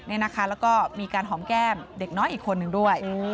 แล้วก็มีการหอมแก้มเด็กน้อยอีกคนนึงด้วย